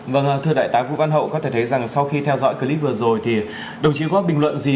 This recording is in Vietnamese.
vâng thưa đại tá vũ văn hậu có thể thấy rằng sau khi theo dõi clip vừa rồi thì đồng chí có bình luận gì